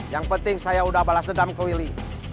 yang penting saya udah balas dendam ke willy